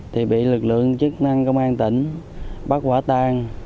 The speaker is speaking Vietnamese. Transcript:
thì bị lực lượng chức năng công an tỉnh bắt quả tang